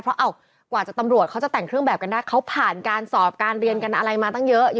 เพราะกว่าจะตำรวจเขาจะแต่งเครื่องแบบกันได้เขาผ่านการสอบการเรียนกันอะไรมาตั้งเยอะ